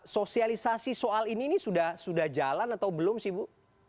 sosialisasi soal ini ini sudah jalan atau belum sih bu